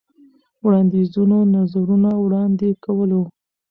وړاندیزونو ، نظرونه وړاندې کولو.